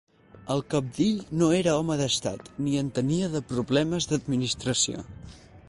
El cabdill no era home d'Estat, ni entenia de problemes d'administració.